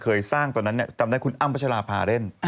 เคยสร้างตอนนั้นทำให้คุณอั๊มประชาภาเล่น